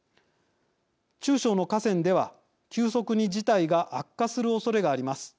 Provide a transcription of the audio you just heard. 中小の河川では、急速に事態が悪化するおそれがあります。